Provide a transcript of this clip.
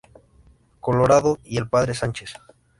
Colorado y el padre Sánchez.